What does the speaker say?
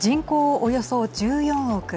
およそ１４億。